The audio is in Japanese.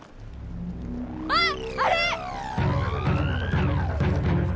あっあれ！